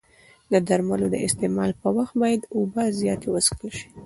د درملو د استعمال پر وخت باید اوبه زیاتې وڅښل شي.